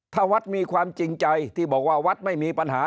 ถ้าวัดมีความจริงใจที่บอกว่าวัดไม่มีปัญหา